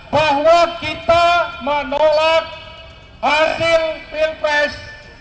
bahwa kita menolak hasil pilpres dua ribu dua puluh empat